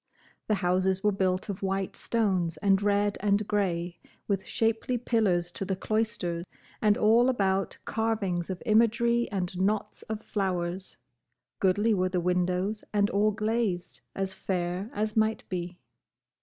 The houses were built of white stones and red and grey; with shapely pillars to the cloister, and all about carvings of imagery and knots of flowers; goodly were the windows and all glazed, as fair as might be.